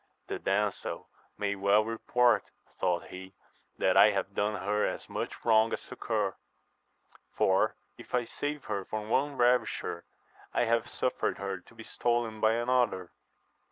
The damsel may well report, thought he, that I have done her as much wrong as succour ; for, if I saved her from one ravisher, I have suffered her to be stolen by another.